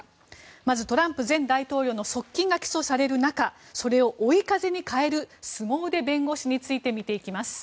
まずトランプ前大統領の側近が起訴される中それを追い風に変えるすご腕弁護士について見ていきます。